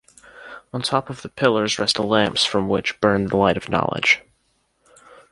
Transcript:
On top of the pillars rest lamps from which burn the Light of Knowledge.